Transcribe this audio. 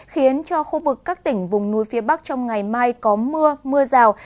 khiến cho khu vực các tỉnh vùng núi phía bắc trong ngày mai có mưa mưa rào